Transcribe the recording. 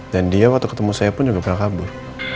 dan dia waktu ketemu saya pun juga pernah kabur